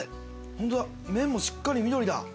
ホントだ麺もしっかり緑だ。